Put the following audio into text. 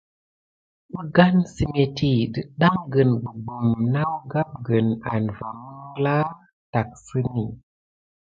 Əgane səmétti dətɗaŋgəne gɓugɓum nawgapgəne ane va məŋɠla tacksəne.